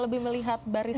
lebih melihat baris